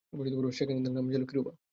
সেখানে তার নাম ছিল, কিরুবা।